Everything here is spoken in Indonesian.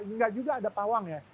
enggak juga ada pawang ya